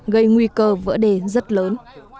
gây nguy cơ vỡ đề rất lớn